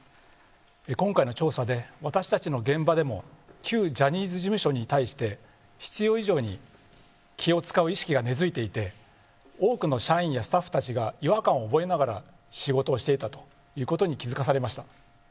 今回の調査で私たちの現場でも旧ジャニーズ事務所に対して必要以上に気を遣う意識が根付いていて多くの社員やスタッフたちが違和感を覚えながら仕事をしていたということに気付かされました。